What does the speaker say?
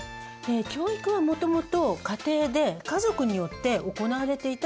教育はもともと家庭で家族によって行われていた機能でした。